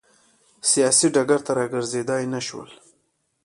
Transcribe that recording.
سیاسي ډګر ته راګرځېدای نه شول.